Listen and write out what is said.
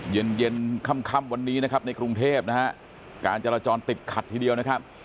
เย็นเย็นค่ำวันนี้นะครับในกรุงเทพนะฮะการจราจรติดขัดทีเดียวนะครับ